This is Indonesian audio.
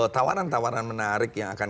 tawaran tawaran menarik yang akan